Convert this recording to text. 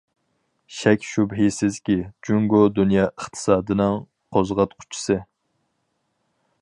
شەك- شۈبھىسىزكى، جۇڭگو دۇنيا ئىقتىسادىنىڭ قوزغاتقۇچىسى.